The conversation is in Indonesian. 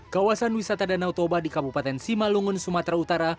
kawasan wisata danau toba di kabupaten simalungun sumatera utara